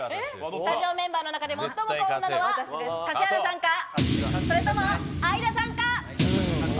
スタジオメンバーの中で最も幸運なのは指原さんか、それとも相田さんか？